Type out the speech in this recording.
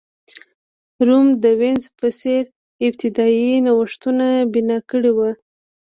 روم د وینز په څېر ابتدايي نوښتونه بنا کړي وو.